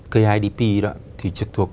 kidp đó thì trực thuộc